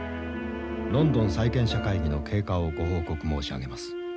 ロンドン債権者会議の経過をご報告申し上げます。